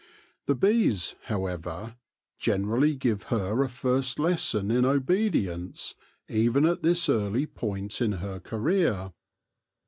The bees, however, generally give her a first lesson in obedience even at this early point in her career.